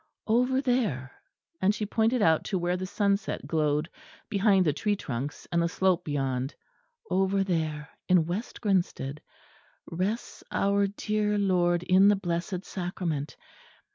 Over there," and she pointed out to where the sunset glowed behind the tree trunks and the slope beyond, "over there, in West Grinsted, rests our dear Lord in the blessed sacrament.